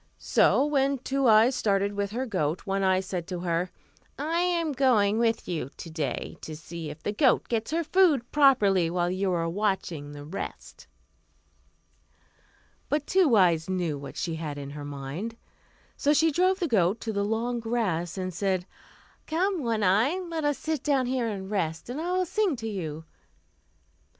So when Two Eyes started with her goat, One Eye said to her, "I am going with you to day to see if the goat gets her food properly while you are watching the rest." But Two Eyes knew what she had in her mind. So she drove the goat into the long grass, and said, "Come, One Eye, let us sit down here and rest, and I will sing to you."